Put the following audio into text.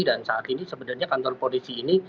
dan saat ini sebenarnya kantor polisi ini